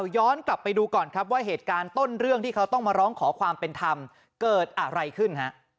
ย้อนกลับไปดูก่อนครับว่าเหตุการณ์ต้นเรื่องที่เขาต้องมาร้องขอความเป็นธรรมเกิดอะไรขึ้นฮะ